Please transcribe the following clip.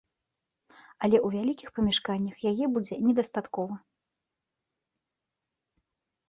Але ў вялікіх памяшканнях яе будзе недастаткова.